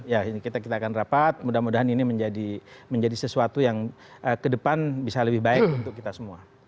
ya ini kita akan rapat mudah mudahan ini menjadi sesuatu yang ke depan bisa lebih baik untuk kita semua